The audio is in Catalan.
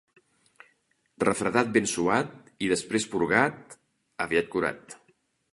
Refredat ben suat i després purgat, aviat curat.